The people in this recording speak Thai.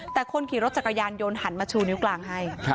แต่คนขี่รถจักรยานยนต์หันมาชูนิ้วกลางให้